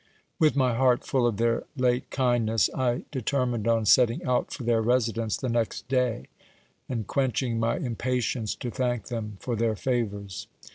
With my heart full of their late kindness, I determin ed on setting out for their residence the next day, and quenching my impatience to thank them for their favours.